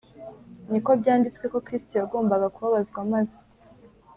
ni ko byanditswe ko Kristo yagombaga kubabazwa maze